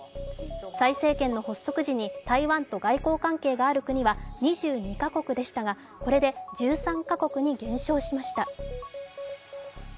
蔡政権の発足時に台湾と外交関係がある国は２２か国でしたがこれで１３か国に減少しました。